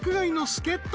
［助っ人］